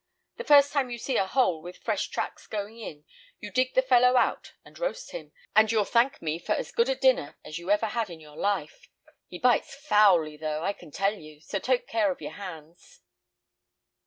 The first time you see a hole with fresh tracks going in, you dig the fellow out and roast him, and you'll thank me for as good a dinner as ever you had in your life. He bites foully, though, I can tell you, so take care of your hands."